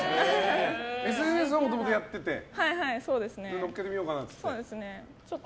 ＳＮＳはもともとやっててのっけてみようかなと。